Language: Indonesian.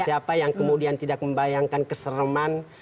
siapa yang kemudian tidak membayangkan kesereman